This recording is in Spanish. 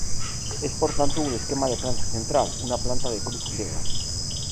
Es por tanto un esquema de planta central, una planta de cruz griega.